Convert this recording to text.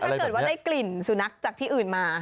ถ้าเกิดว่าได้กลิ่นสุนัขจากที่อื่นมา